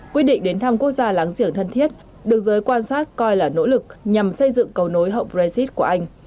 quyết định đến thăm quốc gia láng giềng thân thiết được giới quan sát coi là nỗ lực nhằm xây dựng cầu nối hậu brexit của anh